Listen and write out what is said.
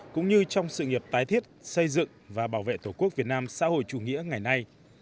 cũng như trong sự nghiệp tái thiết xây dựng và bảo vệ tổ quốc việt nam xã hội chủ nghĩa ngày nay